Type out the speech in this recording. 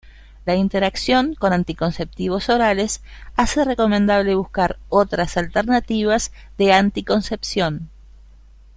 La interacción con anticonceptivos orales hace recomendable buscar otras alternativas de anticoncepción.